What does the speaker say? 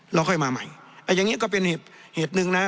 แล้วค่อยมาใหม่อย่างนี้ก็เป็นเหตุหนึ่งนะ